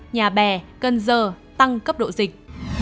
nhà bè cân dơ tăng cấp độ dịch